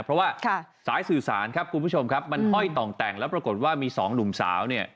เพราะว่าสายสื่อสารครับคุณผู้ชมครับมันห้อยต่องแต่งแล้วปรากฏว่ามีสองหนุ่มสาวเนี่ย